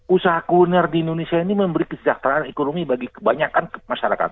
usaha kuliner di indonesia ini memberi kesejahteraan ekonomi bagi kebanyakan masyarakat